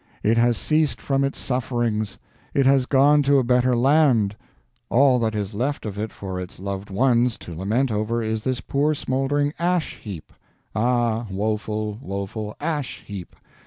It has ceased from its Sufferings, it has gone to a better Land; all that is left of it for its loved Ones to lament over, is this poor smoldering Ash heap. Ah, woeful, woeful Ash heap!